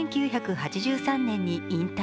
１９８３年に引退。